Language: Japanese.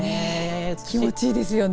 気持ちいいですよね。